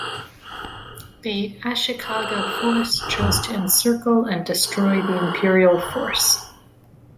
The Ashikaga force chose to encircle and destroy the Imperial force.